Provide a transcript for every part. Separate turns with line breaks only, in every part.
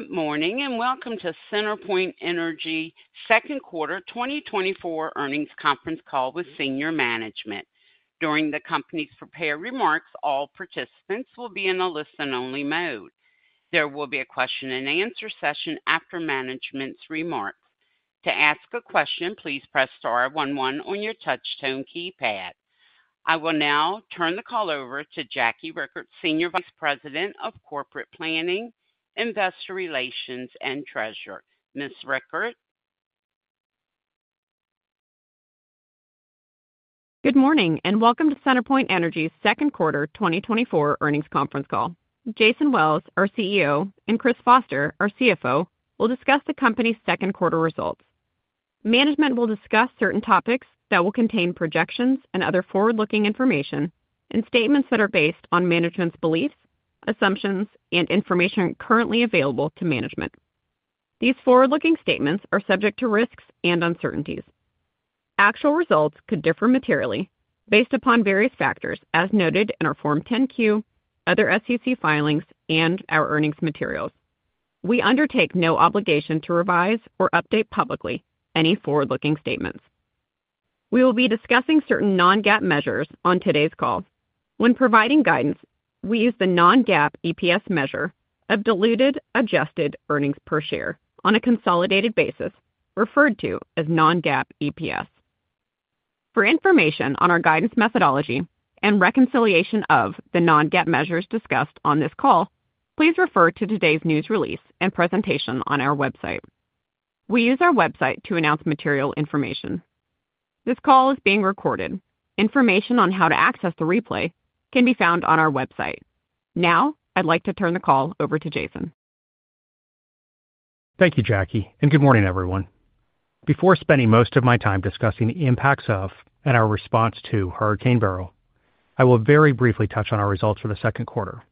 Good morning, and welcome to CenterPoint Energy second quarter 2024 earnings conference call with senior management. During the company's prepared remarks, all participants will be in a listen-only mode. There will be a question-and-answer session after management's remarks. To ask a question, please press star one one on your touchtone keypad. I will now turn the call over to Jackie Richert, Senior Vice President of Corporate Planning, Investor Relations, and Treasurer. Ms. Richert?
Good morning, and welcome to CenterPoint Energy's second quarter 2024 earnings conference call. Jason Wells, our CEO, and Chris Foster, our CFO, will discuss the company's second quarter results. Management will discuss certain topics that will contain projections and other forward-looking information and statements that are based on management's beliefs, assumptions, and information currently available to management. These forward-looking statements are subject to risks and uncertainties. Actual results could differ materially based upon various factors as noted in our Form 10-Q, other SEC filings, and our earnings materials. We undertake no obligation to revise or update publicly any forward-looking statements. We will be discussing certain non-GAAP measures on today's call. When providing guidance, we use the non-GAAP EPS measure of diluted adjusted earnings per share on a consolidated basis, referred to as non-GAAP EPS. For information on our guidance methodology and reconciliation of the non-GAAP measures discussed on this call, please refer to today's news release and presentation on our website. We use our website to announce material information. This call is being recorded. Information on how to access the replay can be found on our website. Now, I'd like to turn the call over to Jason.
Thank you, Jackie, and good morning, everyone. Before spending most of my time discussing the impacts of and our response to Hurricane Beryl, I will very briefly touch on our results for the second quarter.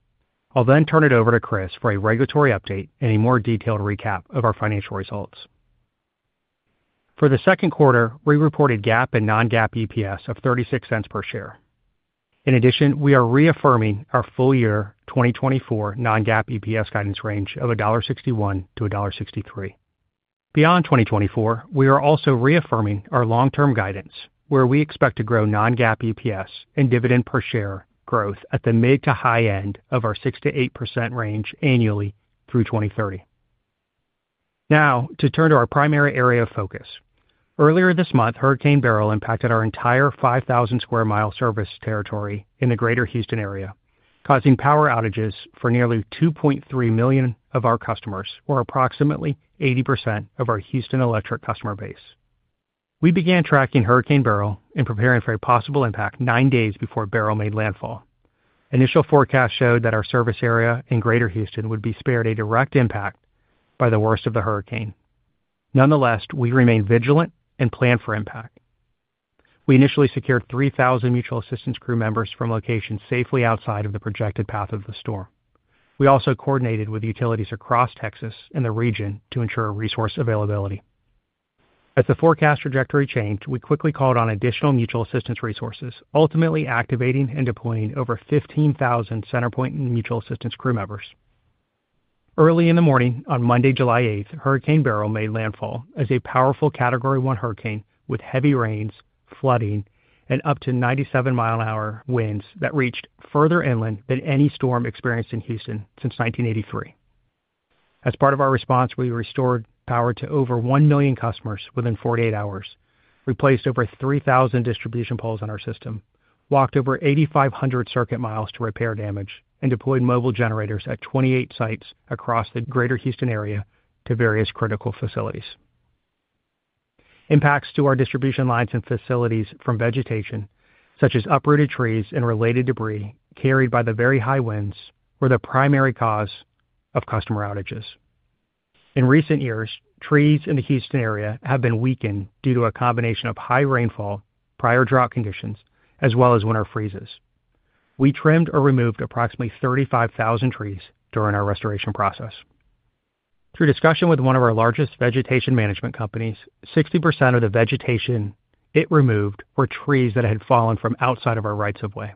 I'll then turn it over to Chris for a regulatory update and a more detailed recap of our financial results. For the second quarter, we reported GAAP and non-GAAP EPS of $0.36 per share. In addition, we are reaffirming our full year 2024 non-GAAP EPS guidance range of $1.61-$1.63. Beyond 2024, we are also reaffirming our long-term guidance, where we expect to grow non-GAAP EPS and dividend per share growth at the mid to high end of our 6%-8% range annually through 2030. Now, to turn to our primary area of focus. Earlier this month, Hurricane Beryl impacted our entire 5,000-square-mile service territory in the Greater Houston area, causing power outages for nearly 2.3 million of our customers, or approximately 80% of our Houston electric customer base. We began tracking Hurricane Beryl and preparing for a possible impact nine days before Beryl made landfall. Initial forecast showed that our service area in Greater Houston would be spared a direct impact by the worst of the hurricane. Nonetheless, we remained vigilant and planned for impact. We initially secured 3,000 mutual assistance crew members from locations safely outside of the projected path of the storm. We also coordinated with utilities across Texas and the region to ensure resource availability. As the forecast trajectory changed, we quickly called on additional mutual assistance resources, ultimately activating and deploying over 15,000 CenterPoint mutual assistance crew members. Early in the morning on Monday, July 8, Hurricane Beryl made landfall as a powerful Category 1 hurricane with heavy rains, flooding, and up to 97-mile-an-hour winds that reached further inland than any storm experienced in Houston since 1983. As part of our response, we restored power to over 1 million customers within 48 hours, replaced over 3,000 distribution poles in our system, walked over 8,500 circuit miles to repair damage, and deployed mobile generators at 28 sites across the Greater Houston area to various critical facilities. Impacts to our distribution lines and facilities from vegetation, such as uprooted trees and related debris carried by the very high winds, were the primary cause of customer outages. In recent years, trees in the Houston area have been weakened due to a combination of high rainfall, prior drought conditions, as well as winter freezes. We trimmed or removed approximately 35,000 trees during our restoration process. Through discussion with one of our largest vegetation management companies, 60% of the vegetation it removed were trees that had fallen from outside of our rights-of-way.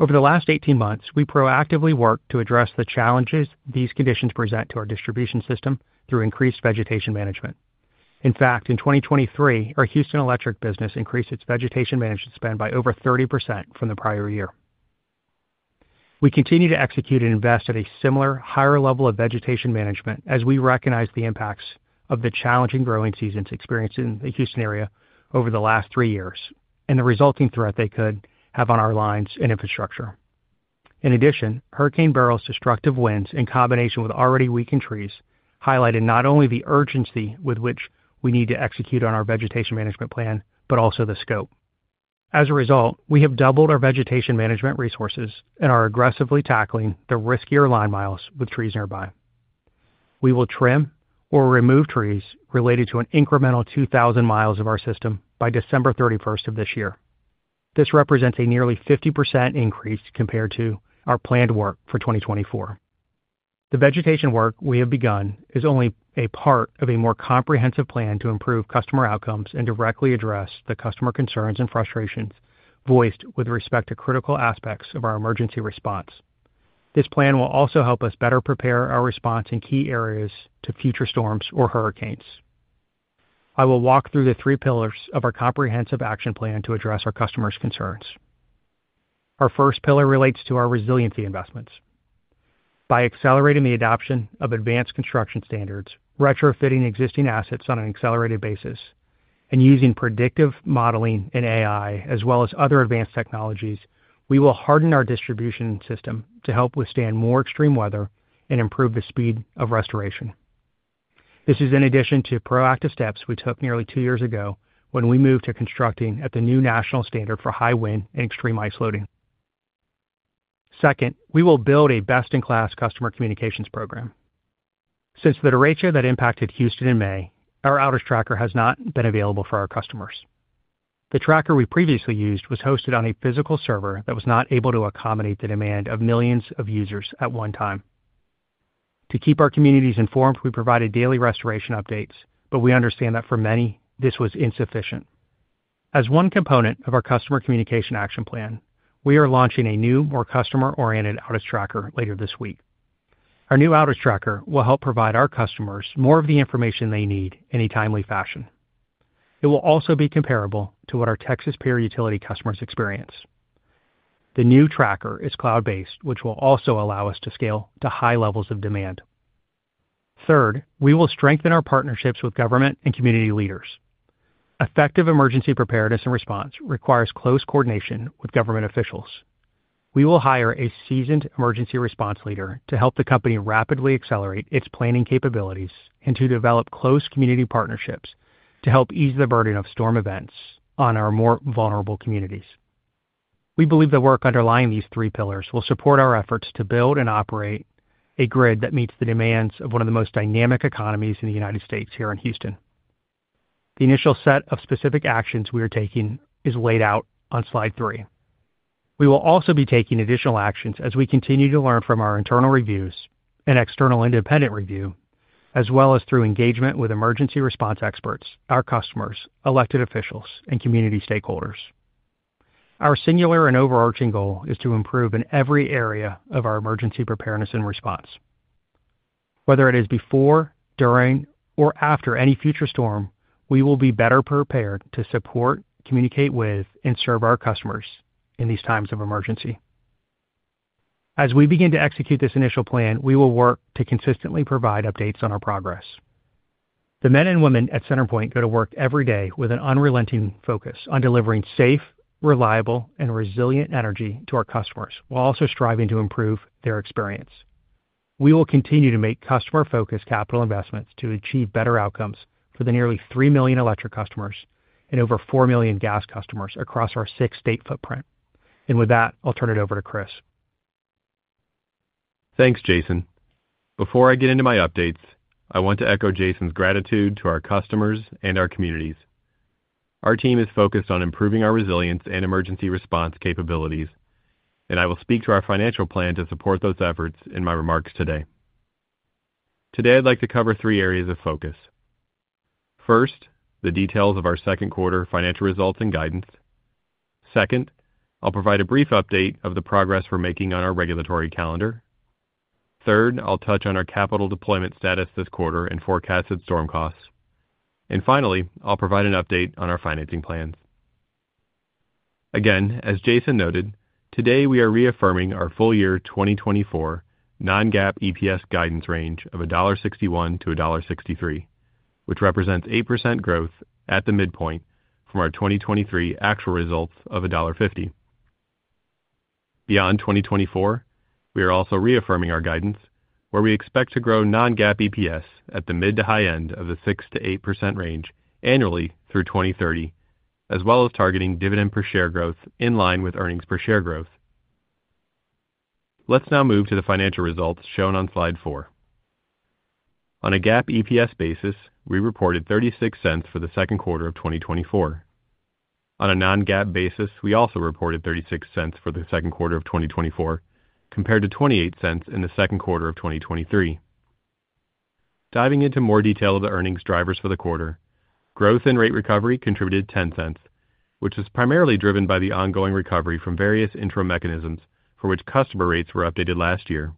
Over the last 18 months, we proactively worked to address the challenges these conditions present to our distribution system through increased vegetation management. In fact, in 2023, our Houston Electric business increased its vegetation management spend by over 30% from the prior year. We continue to execute and invest at a similar higher level of vegetation management as we recognize the impacts of the challenging growing seasons experienced in the Houston area over the last 3 years and the resulting threat they could have on our lines and infrastructure. In addition, Hurricane Beryl's destructive winds, in combination with already weakened trees, highlighted not only the urgency with which we need to execute on our vegetation management plan, but also the scope. As a result, we have doubled our vegetation management resources and are aggressively tackling the riskier line miles with trees nearby. We will trim or remove trees related to an incremental 2,000 miles of our system by December 31st of this year. This represents a nearly 50% increase compared to our planned work for 2024. The vegetation work we have begun is only a part of a more comprehensive plan to improve customer outcomes and directly address the customer concerns and frustrations voiced with respect to critical aspects of our emergency response. This plan will also help us better prepare our response in key areas to future storms or hurricanes.... I will walk through the three pillars of our comprehensive action plan to address our customers' concerns. Our first pillar relates to our resiliency investments. By accelerating the adoption of advanced construction standards, retrofitting existing assets on an accelerated basis, and using predictive modeling and AI, as well as other advanced technologies, we will harden our distribution system to help withstand more extreme weather and improve the speed of restoration. This is in addition to proactive steps we took nearly two years ago when we moved to constructing at the new national standard for high wind and extreme ice loading. Second, we will build a best-in-class customer communications program. Since the derecho that impacted Houston in May, our Outage Tracker has not been available for our customers. The tracker we previously used was hosted on a physical server that was not able to accommodate the demand of millions of users at one time. To keep our communities informed, we provided daily restoration updates, but we understand that for many, this was insufficient. As one component of our customer communication action plan, we are launching a new, more customer-oriented Outage Tracker later this week. Our new Outage Tracker will help provide our customers more of the information they need in a timely fashion. It will also be comparable to what our Texas peer utility customers experience. The new tracker is cloud-based, which will also allow us to scale to high levels of demand. Third, we will strengthen our partnerships with government and community leaders. Effective emergency preparedness and response requires close coordination with government officials. We will hire a seasoned emergency response leader to help the company rapidly accelerate its planning capabilities and to develop close community partnerships to help ease the burden of storm events on our more vulnerable communities. We believe the work underlying these three pillars will support our efforts to build and operate a grid that meets the demands of one of the most dynamic economies in the United States here in Houston. The initial set of specific actions we are taking is laid out on Slide 3. We will also be taking additional actions as we continue to learn from our internal reviews and external independent review, as well as through engagement with emergency response experts, our customers, elected officials, and community stakeholders. Our singular and overarching goal is to improve in every area of our emergency preparedness and response. Whether it is before, during, or after any future storm, we will be better prepared to support, communicate with, and serve our customers in these times of emergency. As we begin to execute this initial plan, we will work to consistently provide updates on our progress. The men and women at CenterPoint go to work every day with an unrelenting focus on delivering safe, reliable, and resilient energy to our customers, while also striving to improve their experience. We will continue to make customer-focused capital investments to achieve better outcomes for the nearly 3 million electric customers and over 4 million gas customers across our 6-state footprint. With that, I'll turn it over to Chris.
Thanks, Jason. Before I get into my updates, I want to echo Jason's gratitude to our customers and our communities. Our team is focused on improving our resilience and emergency response capabilities, and I will speak to our financial plan to support those efforts in my remarks today. Today, I'd like to cover three areas of focus. First, the details of our second quarter financial results and guidance. Second, I'll provide a brief update of the progress we're making on our regulatory calendar. Third, I'll touch on our capital deployment status this quarter and forecasted storm costs. Finally, I'll provide an update on our financing plans. Again, as Jason noted, today we are reaffirming our full year 2024 non-GAAP EPS guidance range of $1.61-$1.63, which represents 8% growth at the midpoint from our 2023 actual results of $1.50. Beyond 2024, we are also reaffirming our guidance, where we expect to grow non-GAAP EPS at the mid to high end of the 6%-8% range annually through 2030, as well as targeting dividend per share growth in line with earnings per share growth. Let's now move to the financial results shown on Slide 4. On a GAAP EPS basis, we reported $0.36 for the second quarter of 2024. On a non-GAAP basis, we also reported $0.36 for the second quarter of 2024, compared to $0.28 in the second quarter of 2023. Diving into more detail of the earnings drivers for the quarter, growth and rate recovery contributed $0.10, which was primarily driven by the ongoing recovery from various interim mechanisms for which customer rates were updated last year,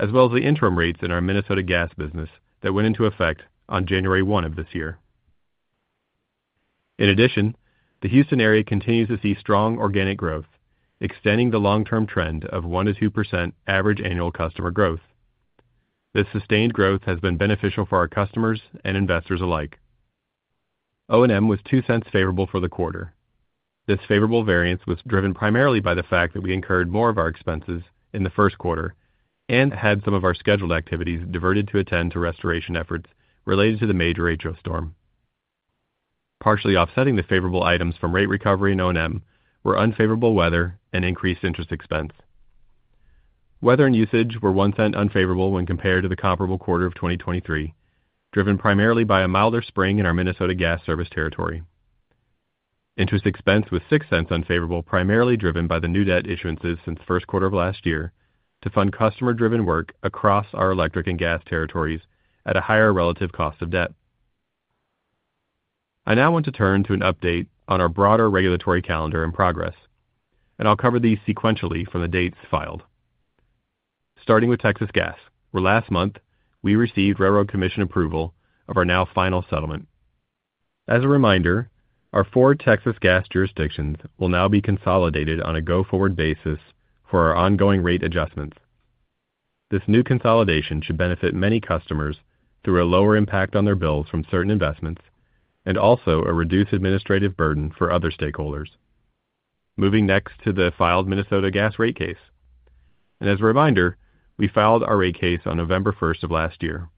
as well as the interim rates in our Minnesota Gas business that went into effect on January one of this year. In addition, the Houston area continues to see strong organic growth, extending the long-term trend of 1%-2% average annual customer growth. This sustained growth has been beneficial for our customers and investors alike. O&M was $0.02 favorable for the quarter. This favorable variance was driven primarily by the fact that we incurred more of our expenses in the first quarter and had some of our scheduled activities diverted to attend to restoration efforts related to the major derecho storm. Partially offsetting the favorable items from rate recovery and O&M were unfavorable weather and increased interest expense. Weather and usage were $0.01 unfavorable when compared to the comparable quarter of 2023, driven primarily by a milder spring in our Minnesota Gas service territory. Interest expense was $0.06 unfavorable, primarily driven by the new debt issuances since the first quarter of last year to fund customer-driven work across our electric and gas territories at a higher relative cost of debt. I now want to turn to an update on our broader regulatory calendar and progress, and I'll cover these sequentially from the dates filed. Starting with Texas Gas, where last month we received Railroad Commission approval of our now final settlement. As a reminder, our four Texas gas jurisdictions will now be consolidated on a go-forward basis for our ongoing rate adjustments. This new consolidation should benefit many customers through a lower impact on their bills from certain investments and also a reduced administrative burden for other stakeholders. Moving next to the filed Minnesota Gas rate case, and as a reminder, we filed our rate case on November first of last year.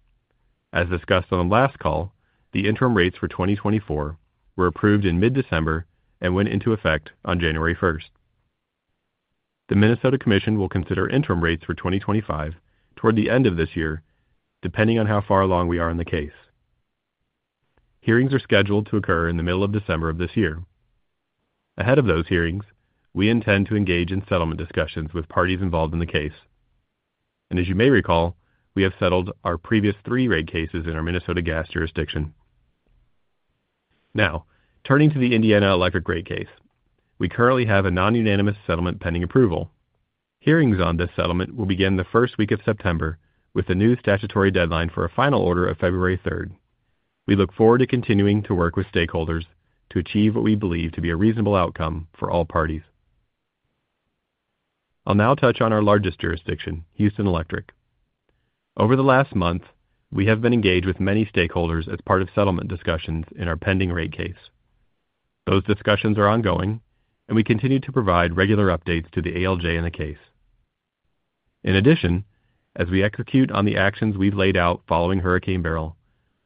As discussed on the last call, the interim rates for 2024 were approved in mid-December and went into effect on January first. The Minnesota Commission will consider interim rates for 2025 toward the end of this year, depending on how far along we are in the case. Hearings are scheduled to occur in the middle of December of this year. Ahead of those hearings, we intend to engage in settlement discussions with parties involved in the case. As you may recall, we have settled our previous three rate cases in our Minnesota Gas jurisdiction. Now, turning to the Indiana Electric rate case, we currently have a non-unanimous settlement pending approval. Hearings on this settlement will begin the first week of September, with the new statutory deadline for a final order of February third. We look forward to continuing to work with stakeholders to achieve what we believe to be a reasonable outcome for all parties. I'll now touch on our largest jurisdiction, Houston Electric. Over the last month, we have been engaged with many stakeholders as part of settlement discussions in our pending rate case. Those discussions are ongoing, and we continue to provide regular updates to the ALJ in the case. In addition, as we execute on the actions we've laid out following Hurricane Beryl,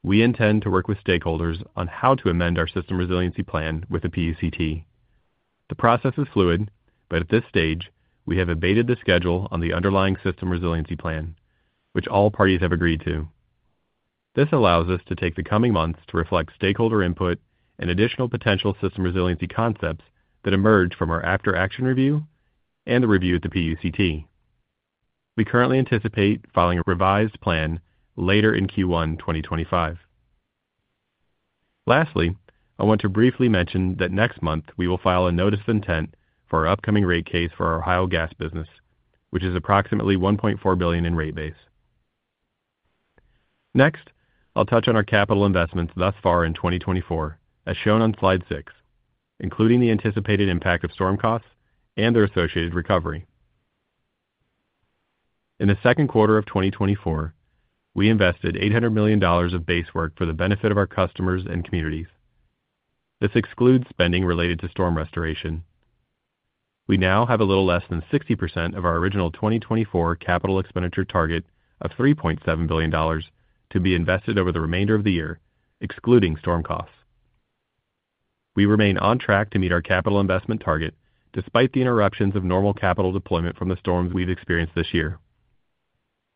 we intend to work with stakeholders on how to amend our System Resiliency Plan with the PUCT. The process is fluid, but at this stage, we have abated the schedule on the underlying System Resiliency Plan, which all parties have agreed to. This allows us to take the coming months to reflect stakeholder input and additional potential system resiliency concepts that emerge from our after-action review and the review at the PUCT. We currently anticipate filing a revised plan later in Q1 2025. Lastly, I want to briefly mention that next month we will file a notice of intent for our upcoming rate case for our Ohio Gas business, which is approximately $1.4 billion in rate base. Next, I'll touch on our capital investments thus far in 2024, as shown on Slide 6, including the anticipated impact of storm costs and their associated recovery. In the second quarter of 2024, we invested $800 million of base work for the benefit of our customers and communities. This excludes spending related to storm restoration. We now have a little less than 60% of our original 2024 capital expenditure target of $3.7 billion to be invested over the remainder of the year, excluding storm costs. We remain on track to meet our capital investment target despite the interruptions of normal capital deployment from the storms we've experienced this year.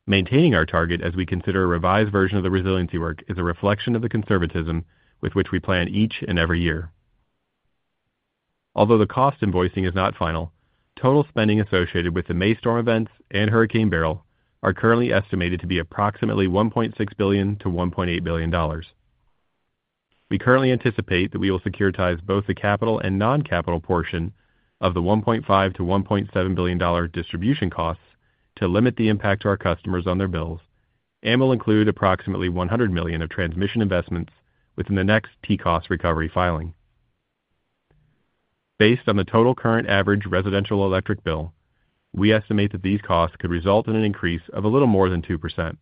Maintaining our target as we consider a revised version of the resiliency work is a reflection of the conservatism with which we plan each and every year. Although the cost invoicing is not final, total spending associated with the May storm events and Hurricane Beryl are currently estimated to be approximately $1.6 billion-$1.8 billion. We currently anticipate that we will securitize both the capital and non-capital portion of the $1.5 billion-$1.7 billion distribution costs to limit the impact to our customers on their bills and will include approximately $100 million of transmission investments within the next TCOS recovery filing. Based on the total current average residential electric bill, we estimate that these costs could result in an increase of a little more than 2%.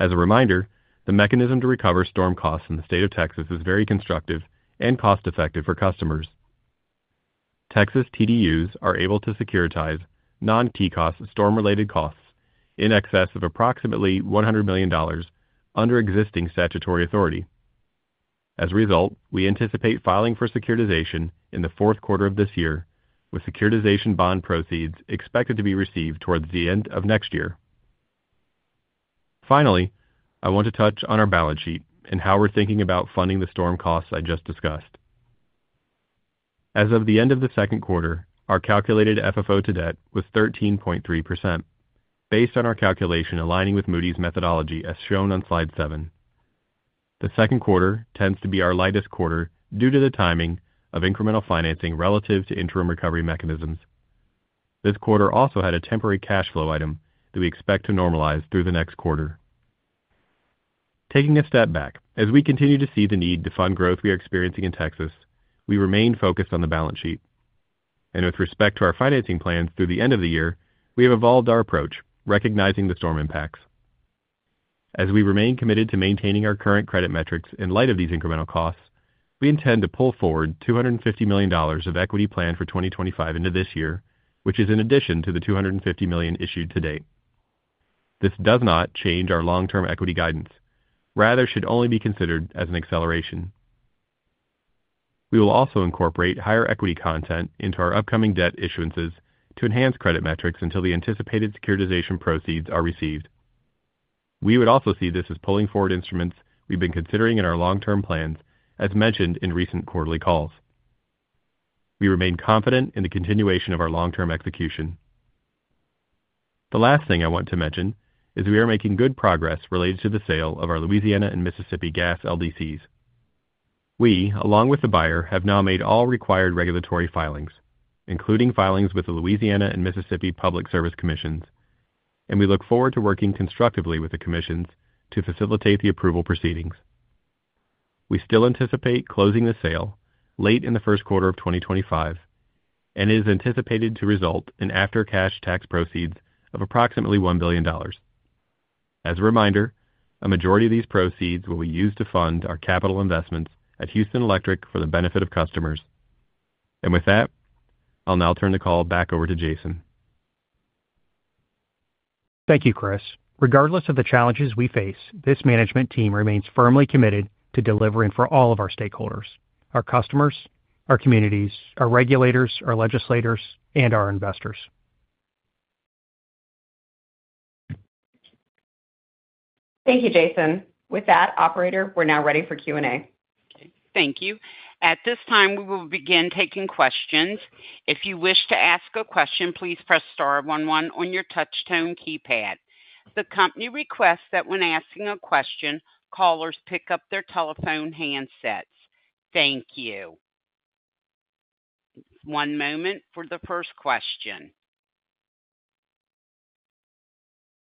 As a reminder, the mechanism to recover storm costs in the state of Texas is very constructive and cost-effective for customers. Texas TDUs are able to securitize non-TCOS storm-related costs in excess of approximately $100 million under existing statutory authority. As a result, we anticipate filing for securitization in the fourth quarter of this year, with securitization bond proceeds expected to be received towards the end of next year. Finally, I want to touch on our balance sheet and how we're thinking about funding the storm costs I just discussed. As of the end of the second quarter, our calculated FFO to debt was 13.3%, based on our calculation aligning with Moody's methodology, as shown on Slide 7. The second quarter tends to be our lightest quarter due to the timing of incremental financing relative to interim recovery mechanisms. This quarter also had a temporary cash flow item that we expect to normalize through the next quarter. Taking a step back, as we continue to see the need to fund growth we are experiencing in Texas, we remain focused on the balance sheet. With respect to our financing plans through the end of the year, we have evolved our approach, recognizing the storm impacts. As we remain committed to maintaining our current credit metrics in light of these incremental costs, we intend to pull forward $250 million of equity planned for 2025 into this year, which is in addition to the $250 million issued to date. This does not change our long-term equity guidance, rather, should only be considered as an acceleration. We will also incorporate higher equity content into our upcoming debt issuances to enhance credit metrics until the anticipated securitization proceeds are received. We would also see this as pulling forward instruments we've been considering in our long-term plans, as mentioned in recent quarterly calls. We remain confident in the continuation of our long-term execution. The last thing I want to mention is we are making good progress related to the sale of our Louisiana and Mississippi Gas LDCs. We, along with the buyer, have now made all required regulatory filings, including filings with the Louisiana and Mississippi Public Service Commissions, and we look forward to working constructively with the commissions to facilitate the approval proceedings. We still anticipate closing the sale late in the first quarter of 2025, and it is anticipated to result in after-tax cash proceeds of approximately $1 billion. As a reminder, a majority of these proceeds will be used to fund our capital investments at Houston Electric for the benefit of customers. With that, I'll now turn the call back over to Jason.
Thank you, Chris. Regardless of the challenges we face, this management team remains firmly committed to delivering for all of our stakeholders, our customers, our communities, our regulators, our legislators, and our investors.
Thank you, Jason. With that, operator, we're now ready for Q&A.
Okay, thank you. At this time, we will begin taking questions. If you wish to ask a question, please press star one one on your touchtone keypad. The company requests that when asking a question, callers pick up their telephone handsets. Thank you. One moment for the first question.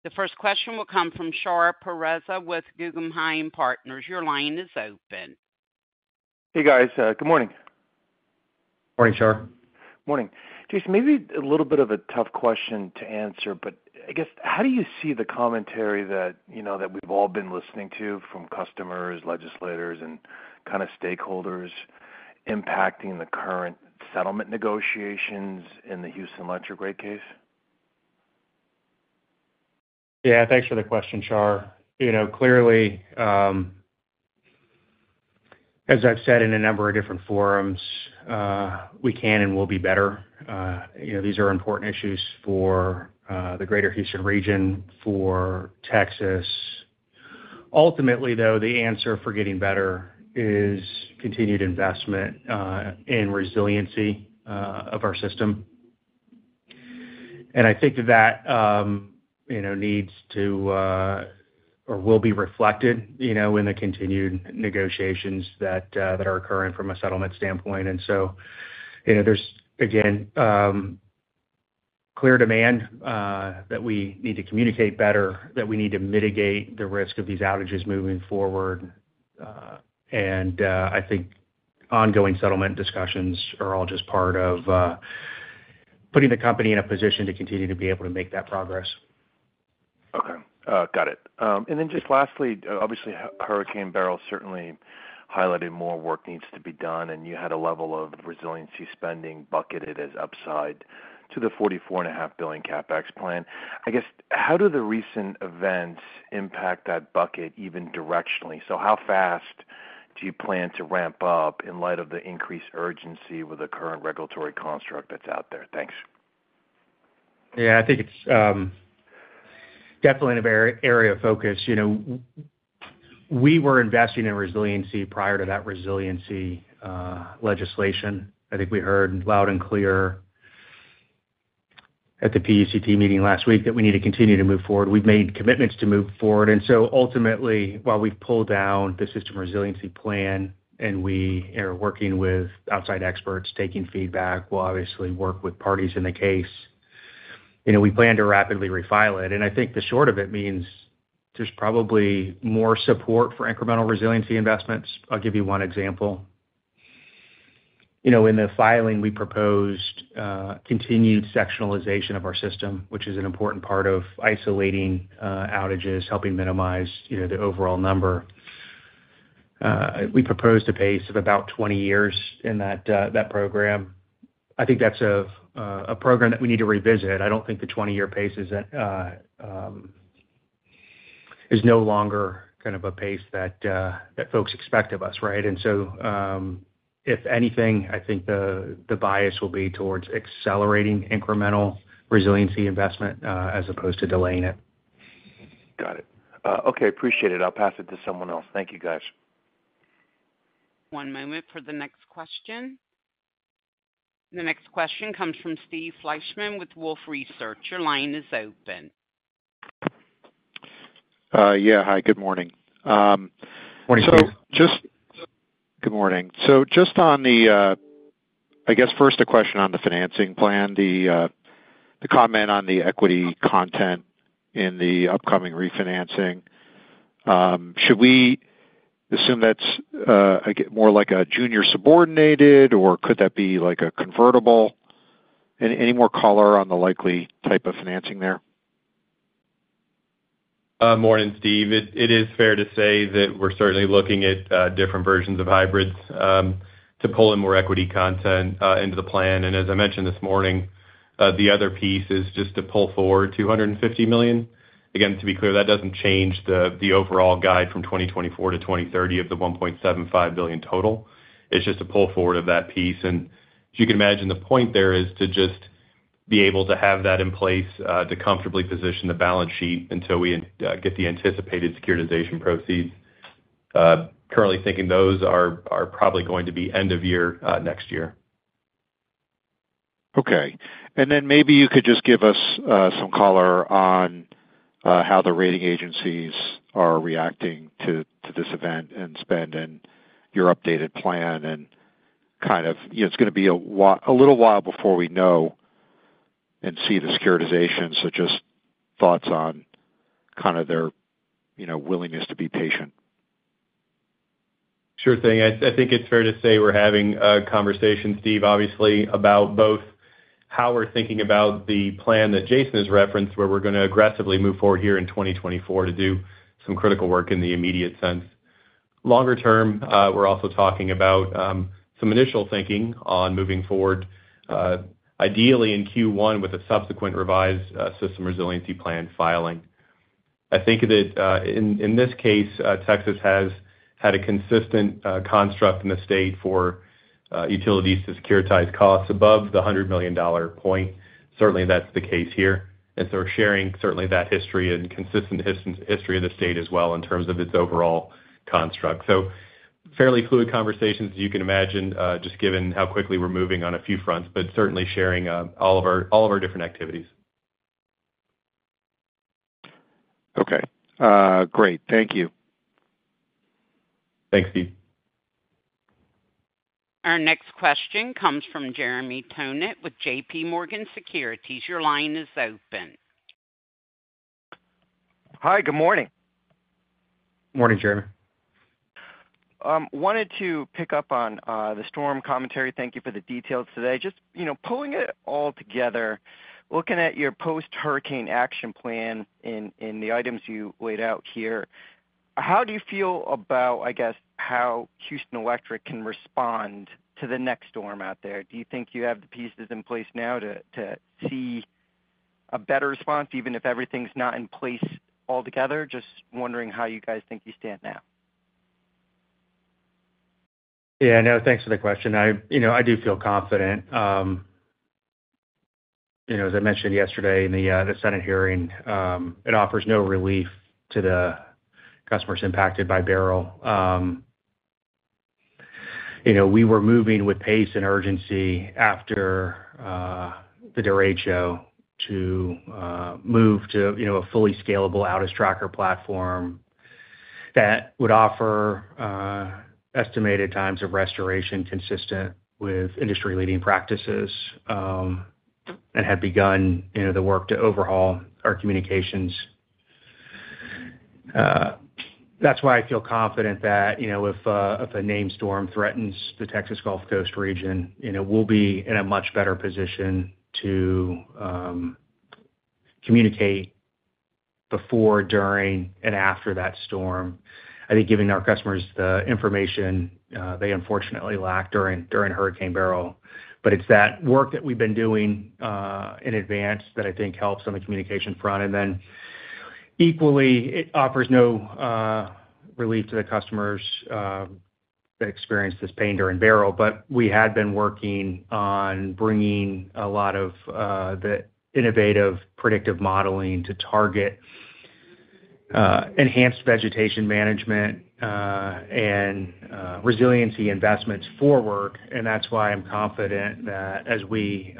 The first question will come from Shahriar Pourreza with Guggenheim Partners. Your line is open.
Hey, guys. Good morning.
Morning, Shar.
Morning. Jason, maybe a little bit of a tough question to answer, but I guess, how do you see the commentary that, you know, that we've all been listening to from customers, legislators, and kind of stakeholders impacting the current settlement negotiations in the Houston Electric rate case?
Yeah, thanks for the question, Shar. You know, clearly, as I've said in a number of different forums, we can and will be better. You know, these are important issues for the Greater Houston region, for Texas. Ultimately, though, the answer for getting better is continued investment in resiliency of our system. And I think that you know, needs to or will be reflected, you know, in the continued negotiations that are occurring from a settlement standpoint. And so, you know, there's, again, clear demand that we need to communicate better, that we need to mitigate the risk of these outages moving forward. And I think ongoing settlement discussions are all just part of putting the company in a position to continue to be able to make that progress.
Okay, got it. And then just lastly, obviously, Hurricane Beryl certainly highlighted more work needs to be done, and you had a level of resiliency spending bucketed as upside to the $44.5 billion CapEx plan. I guess, how do the recent events impact that bucket even directionally? So how fast do you plan to ramp up in light of the increased urgency with the current regulatory construct that's out there? Thanks.
Yeah, I think it's definitely an area of focus. You know, we were investing in resiliency prior to that resiliency legislation. I think we heard loud and clear at the PUCT meeting last week that we need to continue to move forward. We've made commitments to move forward, and so ultimately, while we've pulled down the System Resiliency Plan and we are working with outside experts, taking feedback, we'll obviously work with parties in the case. You know, we plan to rapidly refile it, and I think the short of it means there's probably more support for incremental resiliency investments. I'll give you one example. You know, in the filing, we proposed continued sectionalization of our system, which is an important part of isolating outages, helping minimize, you know, the overall number. We proposed a pace of about 20 years in that, that program. I think that's a program that we need to revisit. I don't think the 20-year pace is at, is no longer kind of a pace that, that folks expect of us, right? And so, if anything, I think the bias will be towards accelerating incremental resiliency investment, as opposed to delaying it.
Got it. Okay, appreciate it. I'll pass it to someone else. Thank you, guys.
One moment for the next question. The next question comes from Steve Fleischman with Wolfe Research. Your line is open.
Yeah. Hi, good morning.
Morning, Steve.
Good morning. So just on the, I guess, first, a question on the financing plan, the comment on the equity content in the upcoming refinancing. Should we assume that's again more like a junior subordinated, or could that be like a convertible? Any more color on the likely type of financing there?
Morning, Steve. It is fair to say that we're certainly looking at different versions of hybrids to pull in more equity content into the plan. And as I mentioned this morning, the other piece is just to pull forward $250 million. Again, to be clear, that doesn't change the overall guide from 2024 to 2030 of the $1.75 billion total. It's just a pull forward of that piece. And as you can imagine, the point there is to just be able to have that in place to comfortably position the balance sheet until we get the anticipated securitization proceeds. Currently thinking those are probably going to be end of year next year.
Okay. And then maybe you could just give us some color on how the rating agencies are reacting to this event and spend and your updated plan and kind of, you know, it's gonna be a while before we know and see the securitization. So just thoughts on kind of their, you know, willingness to be patient.
Sure thing. I think it's fair to say we're having conversations, Steve, obviously, about both how we're thinking about the plan that Jason has referenced, where we're gonna aggressively move forward here in 2024 to do some critical work in the immediate sense. Longer term, we're also talking about some initial thinking on moving forward, ideally in Q1, with a subsequent revised System Resiliency Plan filing. I think that in this case, Texas has had a consistent construct in the state for utilities to securitize costs above the $100 million point. Certainly, that's the case here, and so we're sharing certainly that history and consistent history of the state as well in terms of its overall construct. So fairly fluid conversations, as you can imagine, just given how quickly we're moving on a few fronts, but certainly sharing all of our different activities.
Okay. Great. Thank you.
Thanks, Steve.
Our next question comes from Jeremy Tonet with JPMorgan Securities. Your line is open.
Hi, good morning.
Morning, Jeremy.
Wanted to pick up on the storm commentary. Thank you for the details today. Just, you know, pulling it all together, looking at your post-hurricane action plan in the items you laid out here, how do you feel about, I guess, how Houston Electric can respond to the next storm out there? Do you think you have the pieces in place now to see a better response, even if everything's not in place altogether? Just wondering how you guys think you stand now.
Yeah, no, thanks for the question. I, you know, I do feel confident. You know, as I mentioned yesterday in the Senate hearing, it offers no relief to the customers impacted by Beryl. You know, we were moving with pace and urgency after the derecho to move to, you know, a fully scalable Outage Tracker platform that would offer estimated times of restoration consistent with industry-leading practices, and had begun, you know, the work to overhaul our communications. That's why I feel confident that, you know, if a named storm threatens the Texas Gulf Coast region, you know, we'll be in a much better position to communicate before, during, and after that storm. I think giving our customers the information they unfortunately lacked during Hurricane Beryl. But it's that work that we've been doing in advance that I think helps on the communication front. And then equally, it offers no relief to the customers that experienced this pain during Beryl. But we had been working on bringing a lot of the innovative, predictive modeling to target enhanced vegetation management and resiliency investments forward. And that's why I'm confident that as we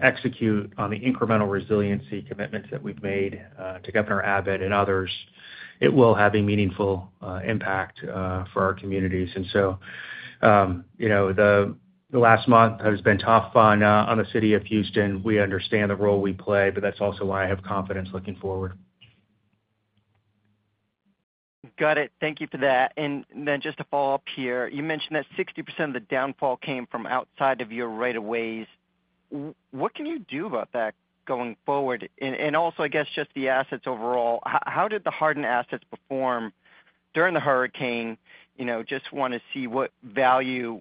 execute on the incremental resiliency commitments that we've made to Governor Abbott and others, it will have a meaningful impact for our communities. And so you know, the last month has been tough on the city of Houston. We understand the role we play, but that's also why I have confidence looking forward.
Got it. Thank you for that. And then just to follow up here, you mentioned that 60% of the downfall came from outside of your rights-of-way. What can you do about that going forward? And, and also, I guess, just the assets overall, how did the hardened assets perform during the hurricane? You know, just wanna see what value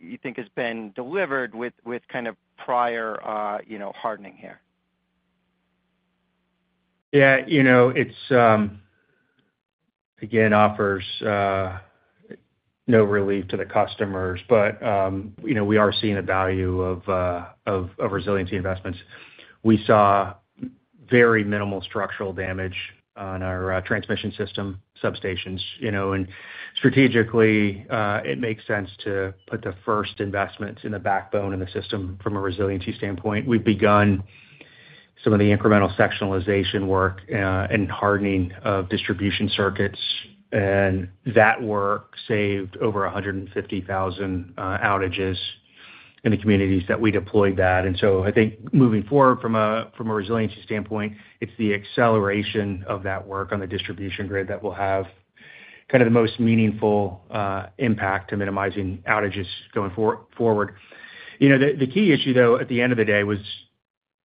you think has been delivered with, with kind of prior, you know, hardening here.
Yeah, you know, it's again offers no relief to the customers, but you know, we are seeing the value of resiliency investments. We saw very minimal structural damage on our transmission system substations, you know, and strategically, it makes sense to put the first investments in the backbone in the system from a resiliency standpoint. We've begun some of the incremental sectionalization work and hardening of distribution circuits, and that work saved over 150,000 outages in the communities that we deployed that. And so I think moving forward from a resiliency standpoint, it's the acceleration of that work on the distribution grid that will have kind of the most meaningful impact to minimizing outages going forward. You know, the key issue, though, at the end of the day, was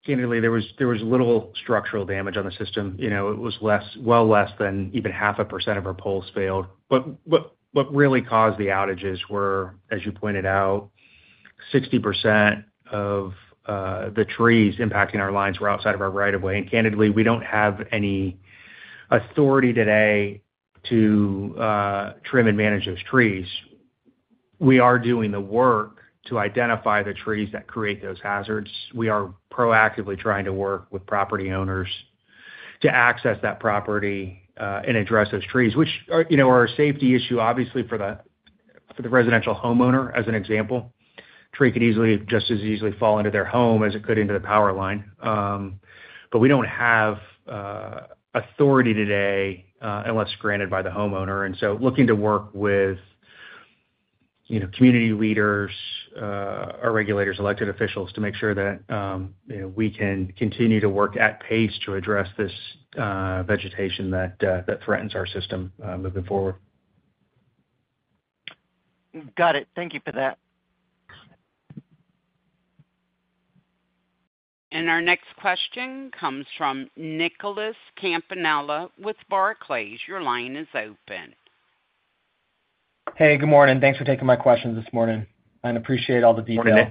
candidly, there was little structural damage on the system. You know, it was less—well, less than even 0.5% of our poles failed. But what really caused the outages were, as you pointed out, 60% of the trees impacting our lines were outside of our right-of-way. And candidly, we don't have any authority today to trim and manage those trees. We are doing the work to identify the trees that create those hazards. We are proactively trying to work with property owners. To access that property, and address those trees, which are, you know, a safety issue, obviously, for the residential homeowner, as an example. A tree could easily, just as easily fall into their home as it could into the power line. But we don't have authority today, unless granted by the homeowner. And so looking to work with, you know, community leaders, our regulators, elected officials, to make sure that, you know, we can continue to work at pace to address this vegetation that threatens our system, moving forward.
Got it. Thank you for that.
Our next question comes from Nicholas Campanella with Barclays. Your line is open.
Hey, good morning. Thanks for taking my questions this morning, and appreciate all the detail.
Morning,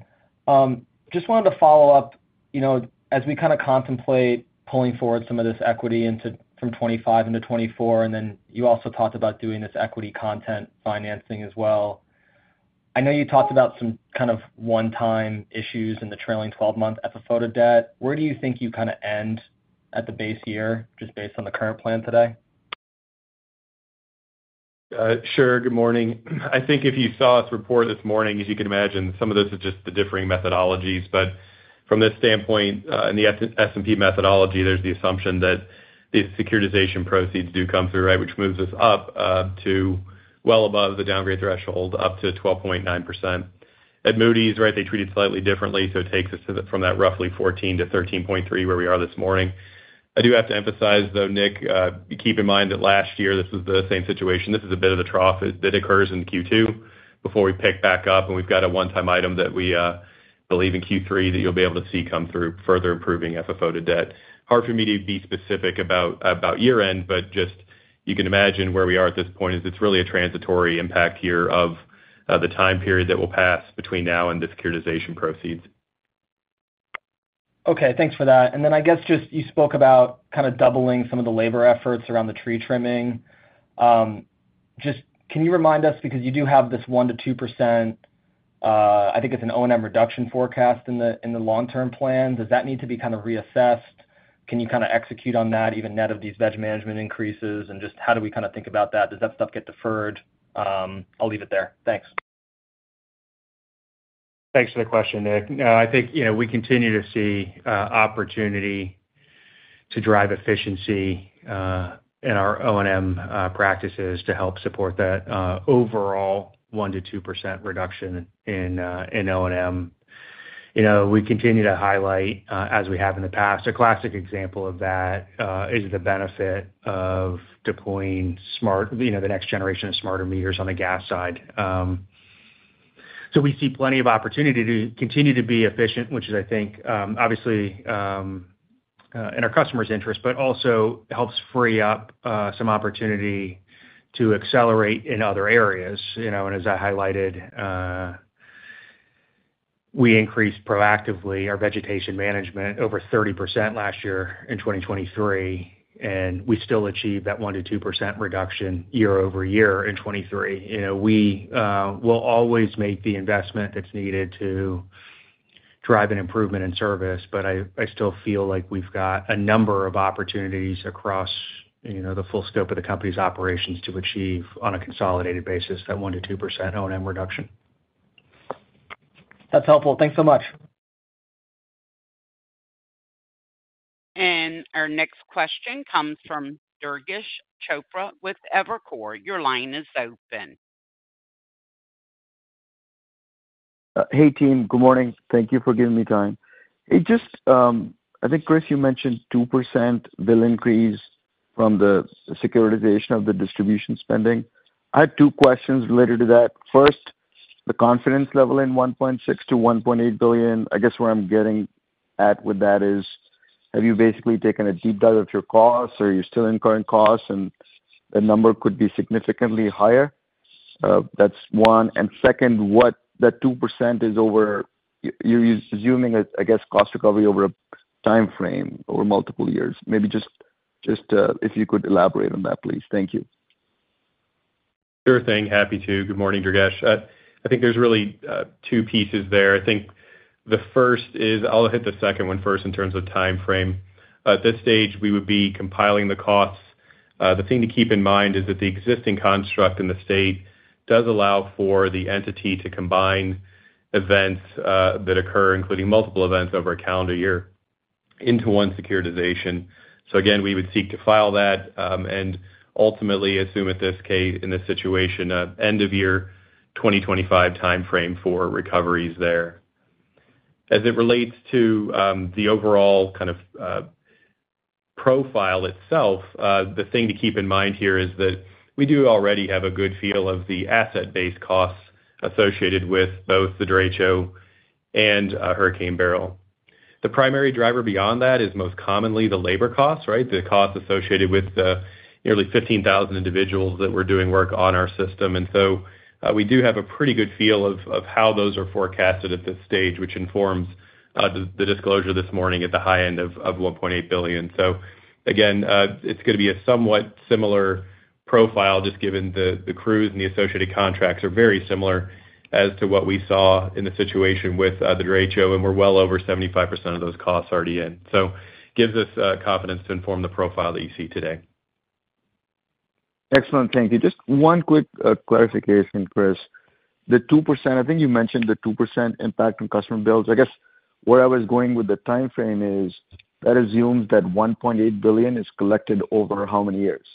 Nick.
Morning. Just wanted to follow up, you know, as we kind of contemplate pulling forward some of this equity into, from 2025 into 2024, and then you also talked about doing this equity content financing as well. I know you talked about some kind of one-time issues in the trailing twelve-month FFO debt. Where do you think you kind of end at the base year, just based on the current plan today?
Sure. Good morning. I think if you saw its report this morning, as you can imagine, some of this is just the differing methodologies, but from this standpoint, in the S&P methodology, there's the assumption that these securitization proceeds do come through, right, which moves us up to well above the downgrade threshold, up to 12.9%. At Moody's, right, they treat it slightly differently, so it takes us to the from that roughly 14% to 13.3%, where we are this morning. I do have to emphasize, though, Nick, keep in mind that last year, this was the same situation. This is a bit of the trough that occurs in Q2 before we pick back up, and we've got a one-time item that we believe in Q3, that you'll be able to see come through, further improving FFO to debt. Hard for me to be specific about year-end, but just you can imagine where we are at this point; it's really a transitory impact here of the time period that will pass between now and the securitization proceeds.
Okay, thanks for that. And then I guess, just you spoke about kind of doubling some of the labor efforts around the tree trimming. Just can you remind us, because you do have this 1%-2%, I think it's an O&M reduction forecast in the long-term plan. Does that need to be kind of reassessed? Can you kind of execute on that, even net of these veg management increases? And just how do we kind of think about that? Does that stuff get deferred? I'll leave it there. Thanks.
Thanks for the question, Nick. No, I think, you know, we continue to see opportunity to drive efficiency in our O&M practices to help support that overall 1%-2% reduction in O&M. You know, we continue to highlight, as we have in the past, a classic example of that is the benefit of deploying smart, you know, the next generation of smarter meters on the gas side. So we see plenty of opportunity to continue to be efficient, which is, I think, obviously in our customer's interest, but also helps free up some opportunity to accelerate in other areas. You know, and as I highlighted, we increased proactively our vegetation management over 30% last year in 2023, and we still achieved that 1%-2% reduction year-over-year in 2023. You know, we will always make the investment that's needed to drive an improvement in service, but I, I still feel like we've got a number of opportunities across, you know, the full scope of the company's operations to achieve on a consolidated basis, that 1%-2% O&M reduction.
That's helpful. Thanks so much.
Our next question comes from Durgesh Chopra with Evercore. Your line is open.
Hey, team. Good morning. Thank you for giving me time. It just, I think, Chris, you mentioned 2% bill increase from the securitization of the distribution spending. I had two questions related to that. First, the confidence level in $1.6 billion-$1.8 billion. I guess where I'm getting at with that is, have you basically taken a deep dive of your costs, or are you still incurring costs and the number could be significantly higher? That's one. And second, what that 2% is over... You're assuming, I guess, cost recovery over a timeframe, over multiple years. Maybe just, if you could elaborate on that, please. Thank you.
Sure thing. Happy to. Good morning, Durgesh. I think there's really two pieces there. I think the first is... I'll hit the second one first in terms of timeframe. At this stage, we would be compiling the costs. The thing to keep in mind is that the existing construct in the state does allow for the entity to combine events that occur, including multiple events over a calendar year, into one securitization. So again, we would seek to file that and ultimately assume at this in this situation, an end-of-year 2025 timeframe for recoveries there. As it relates to the overall kind of profile itself, the thing to keep in mind here is that we do already have a good feel of the asset-based costs associated with both the derecho and Hurricane Beryl. The primary driver beyond that is most commonly the labor costs, right? The costs associated with the nearly 15,000 individuals that were doing work on our system. And so, we do have a pretty good feel of how those are forecasted at this stage, which informs the disclosure this morning at the high end of $1.8 billion. So again, it's going to be a somewhat similar profile, just given the crews and the associated contracts are very similar as to what we saw in the situation with the derecho, and we're well over 75% of those costs already in. So gives us confidence to inform the profile that you see today.
Excellent. Thank you. Just one quick clarification, Chris. The 2%, I think you mentioned the 2% impact on customer bills. I guess where I was going with the timeframe is, that assumes that $1.8 billion is collected over how many years?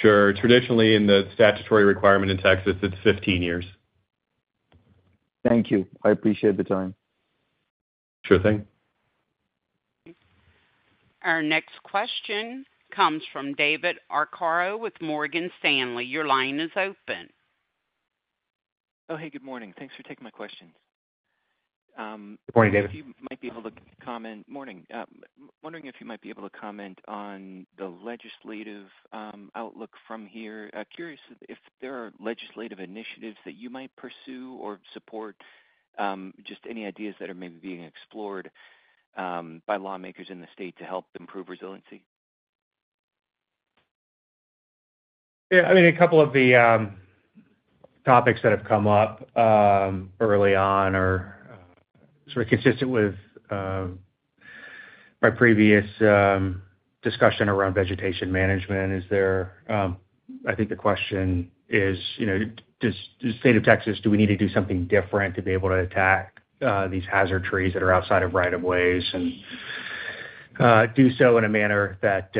Sure. Traditionally, in the statutory requirement in Texas, it's 15 years.
Thank you. I appreciate the time.
Sure thing.
Our next question comes from David Arcaro with Morgan Stanley. Your line is open.
Oh, hey, good morning. Thanks for taking my question.
Good morning, David.
If you might be able to comment—Morning. Wondering if you might be able to comment on the legislative outlook from here. I'm curious if there are legislative initiatives that you might pursue or support, just any ideas that are maybe being explored by lawmakers in the state to help improve resiliency?
Yeah, I mean, a couple of the topics that have come up early on are sort of consistent with my previous discussion around vegetation management. Is there... I think the question is, you know, does the state of Texas, do we need to do something different to be able to attack these hazard trees that are outside of rights-of-way and do so in a manner that,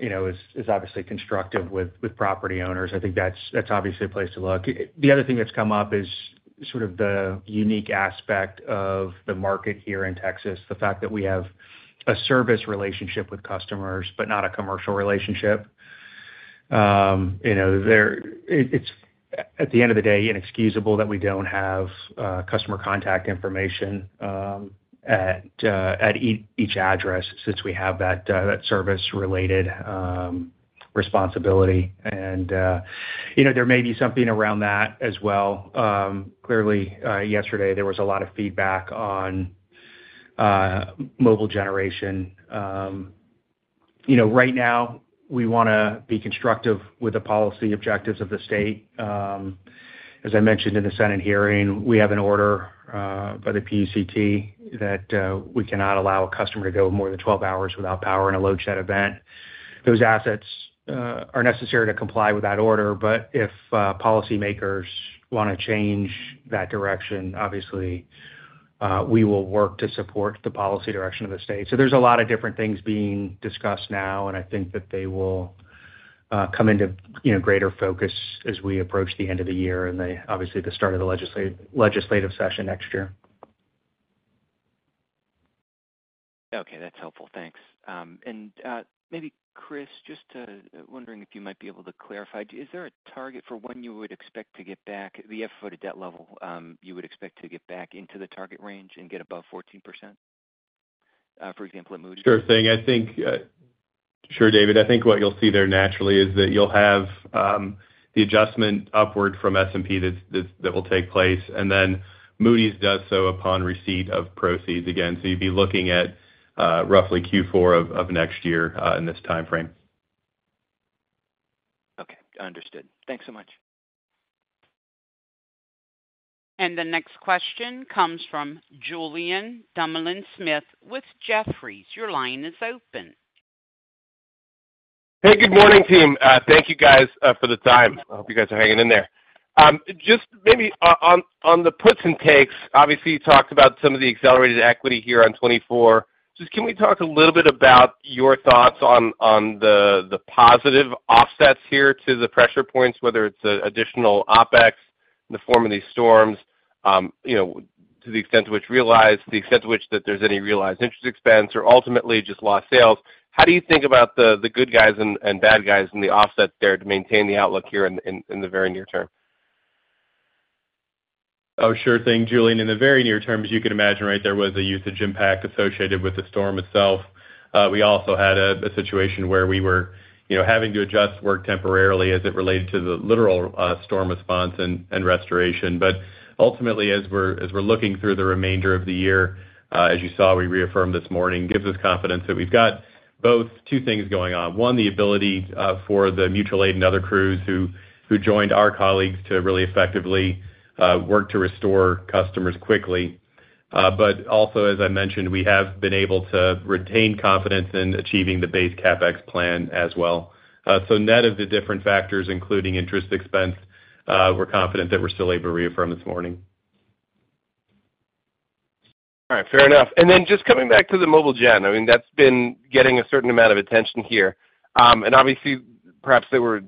you know, is, is obviously constructive with property owners? I think that's, that's obviously a place to look. The other thing that's come up is sort of the unique aspect of the market here in Texas, the fact that we have a service relationship with customers, but not a commercial relationship. You know, there it is, at the end of the day, inexcusable that we don't have customer contact information at each address, since we have that service-related responsibility. You know, there may be something around that as well. Clearly, yesterday, there was a lot of feedback on mobile generation. You know, right now, we want to be constructive with the policy objectives of the state. As I mentioned in the Senate hearing, we have an order by the PUCT, that we cannot allow a customer to go more than 12 hours without power in a load shed event. Those assets are necessary to comply with that order, but if policymakers want to change that direction, obviously, we will work to support the policy direction of the state. There's a lot of different things being discussed now, and I think that they will come into, you know, greater focus as we approach the end of the year and then, obviously, the start of the legislative session next year.
Okay, that's helpful. Thanks. And maybe Chris, just wondering if you might be able to clarify, is there a target for when you would expect to get back to the FFO to debt level you would expect to get back into the target range and get above 14%, for example, at Moody?
Sure thing. I think, Sure, David. I think what you'll see there naturally is that you'll have the adjustment upward from S&P that will take place, and then Moody's does so upon receipt of proceeds again. So you'd be looking at roughly Q4 of next year in this timeframe.
Okay, understood. Thanks so much.
The next question comes from Julien Dumoulin-Smith with Jefferies. Your line is open.
Hey, good morning, team. Thank you guys for the time. I hope you guys are hanging in there. Just maybe on the puts and takes, obviously, you talked about some of the accelerated equity here on 2024. Just, can we talk a little bit about your thoughts on the positive offsets here to the pressure points, whether it's a additional OpEx in the form of these storms, you know, to the extent to which realized, the extent to which that there's any realized interest expense or ultimately just lost sales, how do you think about the good guys and bad guys and the offsets there to maintain the outlook here in the very near term?
Oh, sure thing, Julian. In the very near term, as you can imagine, right, there was a usage impact associated with the storm itself. We also had a situation where we were, you know, having to adjust work temporarily as it related to the literal storm response and restoration. But ultimately, as we're looking through the remainder of the year, as you saw, we reaffirmed this morning, gives us confidence that we've got both two things going on. One, the ability for the mutual aid and other crews who joined our colleagues to really effectively work to restore customers quickly. But also, as I mentioned, we have been able to retain confidence in achieving the base CapEx plan as well. So net of the different factors, including interest expense, we're confident that we're still able to reaffirm this morning.
All right. Fair enough. And then just coming back to the mobile gen, I mean, that's been getting a certain amount of attention here. And obviously, perhaps they were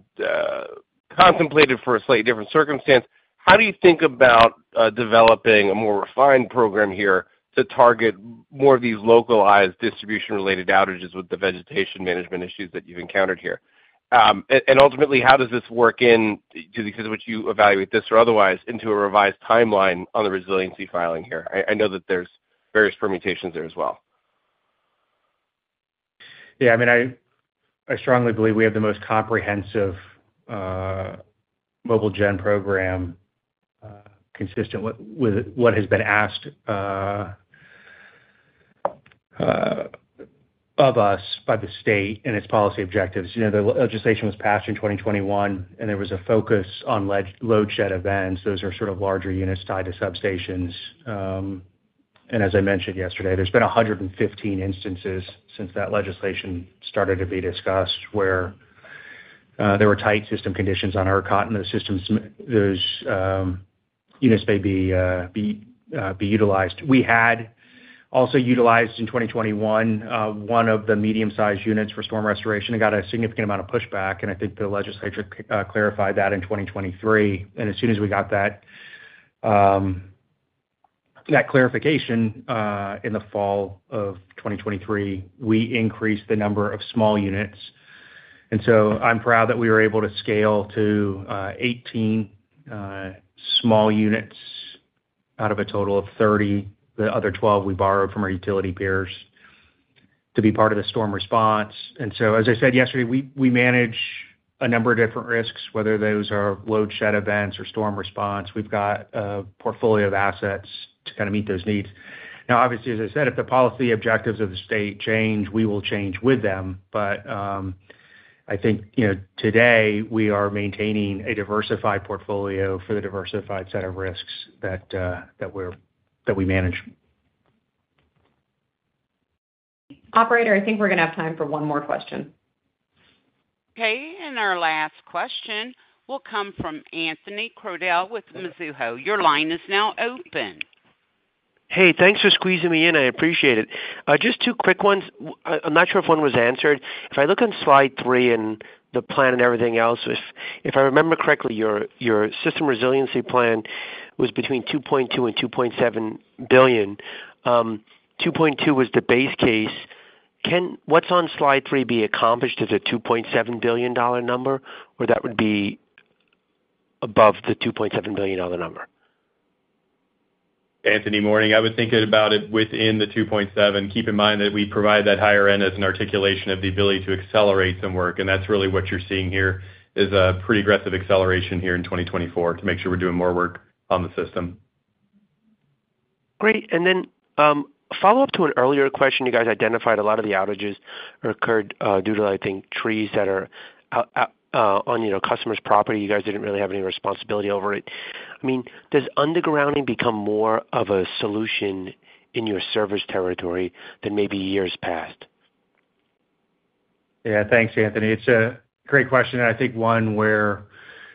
contemplated for a slightly different circumstance. How do you think about developing a more refined program here to target more of these localized distribution-related outages with the vegetation management issues that you've encountered here? And ultimately, how does this work in, because of which you evaluate this or otherwise, into a revised timeline on the resiliency filing here? I know that there's various permutations there as well.
Yeah, I mean, I strongly believe we have the most comprehensive mobile gen program consistent with what has been asked of us by the state and its policy objectives. You know, the legislation was passed in 2021, and there was a focus on load shed events. Those are sort of larger units tied to substations. And as I mentioned yesterday, there's been 115 instances since that legislation started to be discussed, where there were tight system conditions on ERCOT, and the systems, those units may be utilized. We had also utilized in 2021 one of the medium-sized units for storm restoration and got a significant amount of pushback, and I think the Legislature clarified that in 2023. As soon as we got that clarification in the fall of 2023, we increased the number of small units. So I'm proud that we were able to scale to 18 small units out of a total of 30. The other 12 we borrowed from our utility peers to be part of the storm response. As I said yesterday, we manage a number of different risks, whether those are load shed events or storm response. We've got a portfolio of assets to kind of meet those needs. Now, obviously, as I said, if the policy objectives of the state change, we will change with them. But I think, you know, today we are maintaining a diversified portfolio for the diversified set of risks that we manage.
Operator, I think we're gonna have time for one more question.
Okay, and our last question will come from Anthony Crowdell with Mizuho. Your line is now open.
Hey, thanks for squeezing me in. I appreciate it. Just two quick ones. I'm not sure if one was answered. If I look on Slide 3 and the plan and everything else, if I remember correctly, your System Resiliency Plan was between $2.2 billion and $2.7 billion. 2.2 was the base case. Can what's on Slide 3 be accomplished as a $2.7 billion dollar number, or that would be above the $2.7 billion dollar number?
Anthony, morning. I was thinking about it within the 2.7. Keep in mind that we provide that higher end as an articulation of the ability to accelerate some work, and that's really what you're seeing here is a pretty aggressive acceleration here in 2024 to make sure we're doing more work on the system.
Great. Then, a follow-up to an earlier question. You guys identified a lot of the outages occurred due to, I think, trees that are out on, you know, customers' property. You guys didn't really have any responsibility over it. I mean, does undergrounding become more of a solution in your service territory than maybe years past?
Yeah. Thanks, Anthony. It's a great question, and I think one where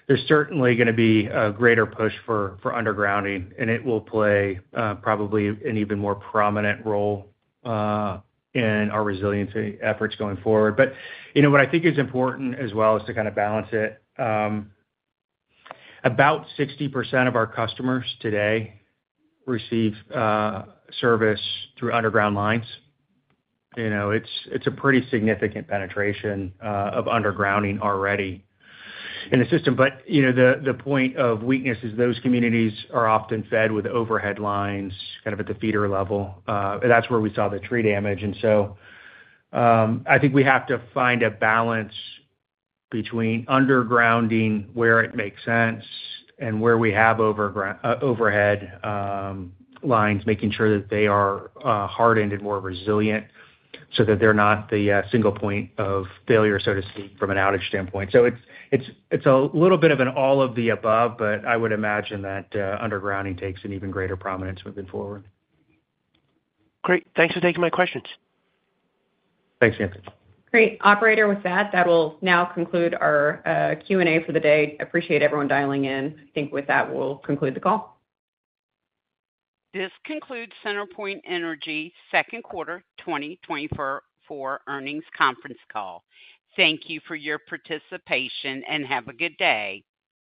there's certainly gonna be a greater push for undergrounding, and it will play probably an even more prominent role in our resiliency efforts going forward. But, you know, what I think is important as well is to kind of balance it. About 60% of our customers today receive service through underground lines. You know, it's a pretty significant penetration of undergrounding already in the system. But, you know, the point of weakness is those communities are often fed with overhead lines, kind of at the feeder level. That's where we saw the tree damage. And so, I think we have to find a balance between undergrounding, where it makes sense and where we have overhead lines, making sure that they are hardened, more resilient, so that they're not the single point of failure, so to speak, from an outage standpoint. So it's a little bit of an all of the above, but I would imagine that undergrounding takes an even greater prominence moving forward.
Great. Thanks for taking my questions.
Thanks, Anthony.
Great. Operator, with that, that will now conclude our Q&A for the day. Appreciate everyone dialing in. I think with that, we'll conclude the call.
This concludes CenterPoint Energy's second quarter 2024 earnings conference call. Thank you for your participation, and have a good day.